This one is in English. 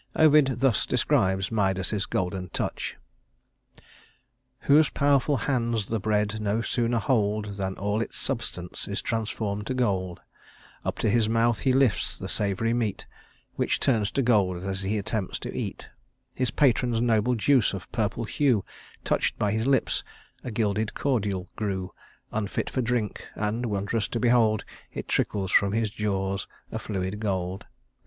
Ovid thus describes Midas' golden touch: "Whose powerful hands the bread no sooner hold, Than all its substance is transformed to gold; Up to his mouth he lifts the savory meat, Which turns to gold as he attempts to eat: His patron's noble juice of purple hue, Touch'd by his lips, a gilded cordial grew, Unfit for drink; and, wonderous to behold, It trickles from his jaws a fluid gold.